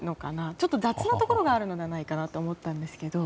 ちょっと雑なところがあるんじゃないかなと思ったんですが。